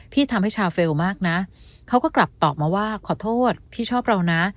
พี่ทำให้ชาเฟลล์มากนะเขาก็กลับตอบมาว่าขอโทษพี่ชอบเรานะ